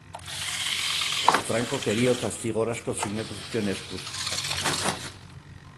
Francok heriotza-zigor asko sinatu zituen, eskuz.